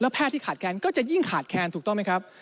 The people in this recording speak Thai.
แพทย์ที่ขาดแคนก็จะยิ่งขาดแคลนถูกต้องไหมครับ